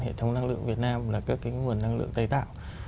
hệ thống năng lượng việt nam là các cái nguồn năng lượng tài tạo